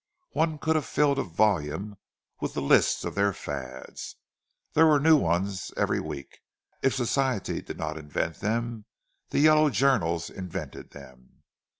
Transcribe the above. One could have filled a volume with the list of their "fads." There were new ones every week—if Society did not invent them, the yellow journals invented them.